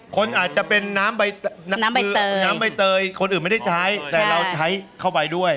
คนอาจจะเป็นน้ำใบน้ำใบเตยคนอื่นไม่ได้ใช้แต่เราใช้เข้าไปด้วย